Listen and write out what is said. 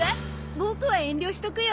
ボクは遠慮しとくよ。